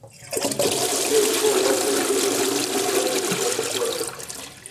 Mfite ubwoba ko byoroshye kuvuga kuruta gukora.